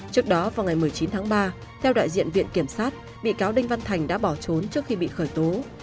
trước đó vào ngày một mươi chín tháng ba theo đại diện viện kiểm sát bị cáo đinh văn thành đã bỏ trốn trước khi bị khởi tố